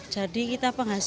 jadi kita penghasilkan